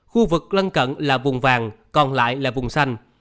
khu vực lân cận là vùng vàng còn lại là vùng xanh